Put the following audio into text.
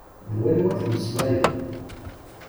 D wanwa tmeslayeḍ?